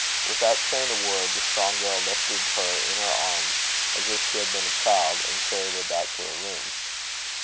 Without saying a word, the strong girl lifted her in her arms as if she had been a child, and carried her back to her room.